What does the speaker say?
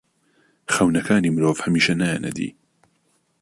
خەونەکانی مرۆڤ هەمیشە نایەنە دی.